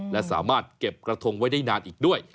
และสามารถเก็บกระทงไว้ได้นานอีกด้วย